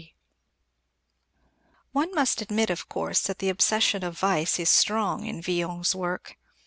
_ One must admit, of course, that the obsession of vice is strong in Villon's work.